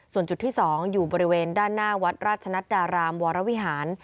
ส่วนจุดที่๒อยู่บริเวณด้านหน้าวัดราชนัดดารามวรวิหาร